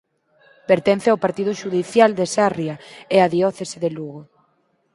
Pertence ao partido xudicial de Sarria e á diocese de Lugo.